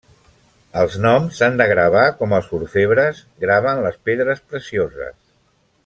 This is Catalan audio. Els noms s'han de gravar com els orfebres graven les pedres precioses.